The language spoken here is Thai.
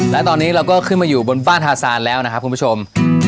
และตอนนี้เราก็ขึ้นมาอยู่บนบ้านฮาซานแล้วนะครับคุณผู้ชม